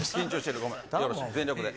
全力で。